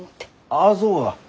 ああそうが。